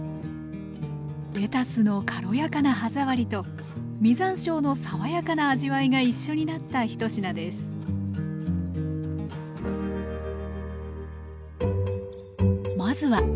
レタスの軽やかな歯触りと実山椒の爽やかな味わいが一緒になった一品ですまずはつくねの作り方から